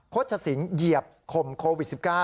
คตชศิงเหยียบคมโควิด๑๙